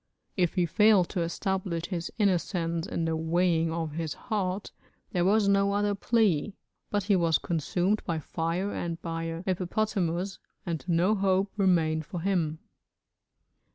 If he failed to establish his innocence in the weighing of his heart, there was no other plea, but he was consumed by fire and by a hippopotamus, and no hope remained for him.